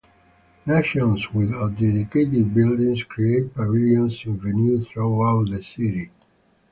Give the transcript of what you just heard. Nations without dedicated buildings create pavilions in venues throughout the city.